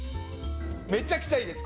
めちゃくちゃいいです。